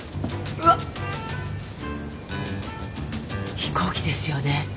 うわ飛行機ですよね？